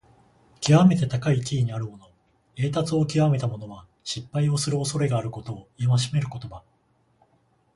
きわめて高い地位にあるもの、栄達をきわめた者は、失敗をするおそれがあることを戒める言葉。